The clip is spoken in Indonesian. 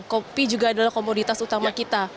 kopi juga adalah komoditas utama kita